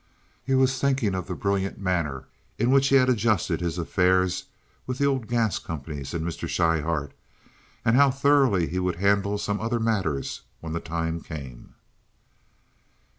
He was thinking of the brilliant manner in which he had adjusted his affairs with the old gas companies and Mr. Schryhart, and how thoroughly he would handle some other matters when the time came.